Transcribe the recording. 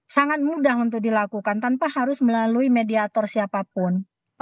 sangat mudah untuk dilakukan tanpa harus melalui mediator siapapun